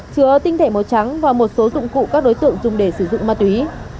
chứa tinh thể màu trắng và một số dụng cụ các đối tượng dùng để sử dụng ma túy